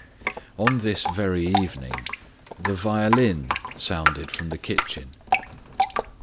On this very evening the violin sounded from the kitchen.